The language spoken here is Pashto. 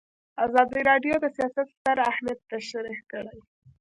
ازادي راډیو د سیاست ستر اهميت تشریح کړی.